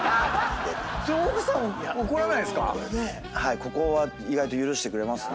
ここは意外と許してくれますね。